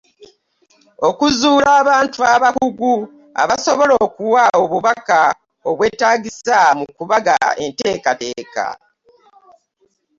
Okuzuula Abantu Abakugu abasobola okuwa obubaka obwetaagisa mu kubaga enteekateeka.